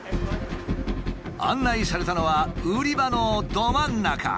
案内されたのは売り場のど真ん中。